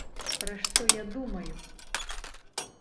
Пра што я думаю!